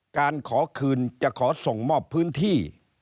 การขอคืนจะขอส่งมอบพื้นที่